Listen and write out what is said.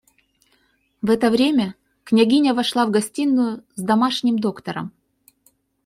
В это время княгиня вошла в гостиную с домашним доктором.